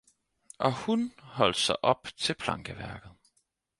Og hun holdt sig op til plankeværket